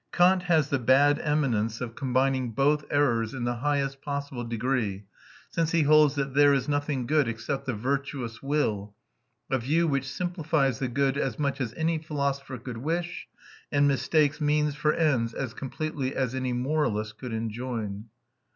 Kant has the bad eminence of combining both errors in the highest possible degree, since he holds that there is nothing good except the virtuous will a view which simplifies the good as much as any philosopher could wish, and mistakes means for ends as completely as any moralist could enjoin."